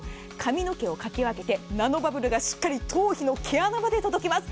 髪の毛をかき分けて、ナノバブルが頭皮まで届きます。